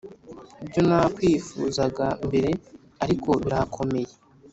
ibyo nakwifuzaga mbere, ariko birakomeye.